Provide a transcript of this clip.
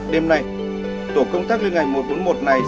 đêm nay tổ công tác viên ngày một trăm bốn mươi một này